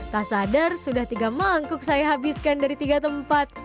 tak sadar sudah tiga mangkuk saya habiskan dari tiga tempat